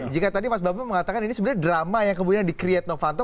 jika tadi mas bambang mengatakan ini sebenarnya drama yang kemudian di create novanto